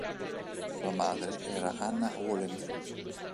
Sua madre era Anna Wallenberg.